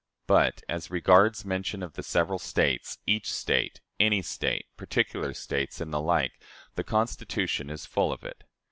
But, as regards mention of "the several States," "each State," "any State," "particular States," and the like, the Constitution is full of it.